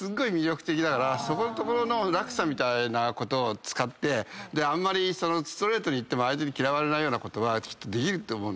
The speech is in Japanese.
そこのところの落差みたいなことを使ってあんまりストレートに言っても相手に嫌われないようなことはきっとできるって思う。